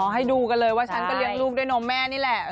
ให้ดูกันเลยว่าฉันก็เลี้ยงลูกด้วยนมแม่นี่แหละ